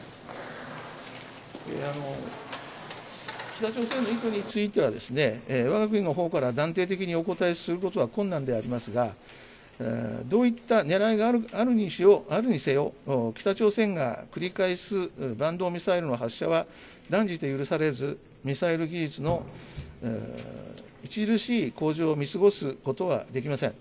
北朝鮮の意図については、わが国のほうから断定的にお答えすることは困難でありますが、どういったねらいがあるにせよ、北朝鮮が繰り返す弾道ミサイルの発射は断じて許されず、ミサイル技術の著しい向上を見過ごすことはできません。